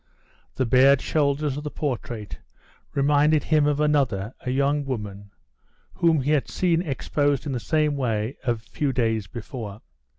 The bared shoulders of the portrait reminded him of another, a young woman, whom he had seen exposed in the same way a few days before.